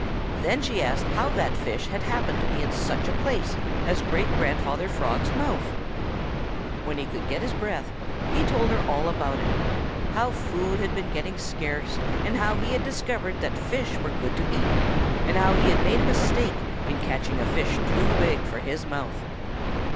Then she asked how that fish had happened to be in such a place as Great grandfather Frog's mouth. When he could get his breath, he told her all about it how food had been getting scarce and how he had discovered that fish were good to eat, and how he had make a mistake in catching a fish too big for his mouth.